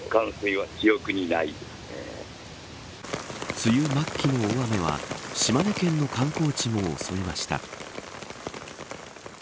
梅雨末期の大雨は島根県の観光地も襲いました。